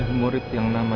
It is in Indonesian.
gak punya kau